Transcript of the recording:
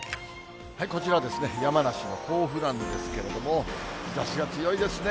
こちらはですね、山梨の甲府なんですけれども、日ざしが強いですね。